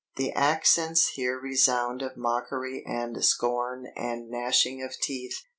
The accents here resound of mockery and scorn and gnashing of teeth.